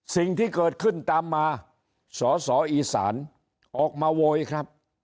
สิ่งที่เกิดขึ้นตามมาสอสออีสานออกมาโวยครับ